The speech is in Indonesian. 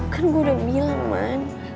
kan gua dah bilang man